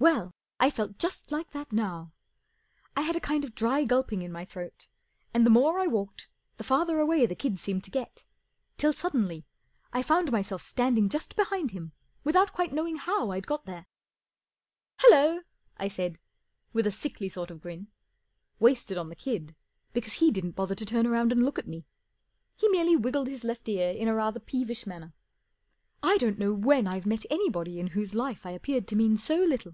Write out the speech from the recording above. Well, I felt just like that now. 1 had a kind of dry gulping in my throat, and the more I walked the farther away the kid seemed to get, till suddenly I found myself standing just behind him without quite knowing how I'd got there. 44 Hallo! " I said, with a sickly sort of grin —wasted on the kid, because he didn't bother to turn round and look at me. He merely wiggled his left ear in a rather peevish manner. I don't know when I've met anybody in whose life I appeared to mean so little.